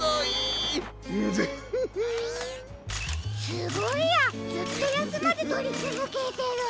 すごいやずっとやすまずとりつづけてる。